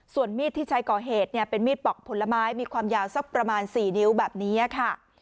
ส่วนมีดที่ใช้ก่อเหตุเนี่ยเป็นมีดปอกผลไม้มีความยาวสักประมาณ๔นิ้วแบบนี้ค่ะ